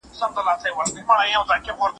بېنوا وایي چې میرویس په خپل تدبیر ګرګین جلب کړ.